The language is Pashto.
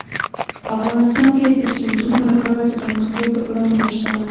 افغانستان کې د سیندونه لپاره دپرمختیا پروګرامونه شته.